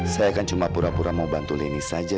saya kan cuma pura pura mau bantu lenny saja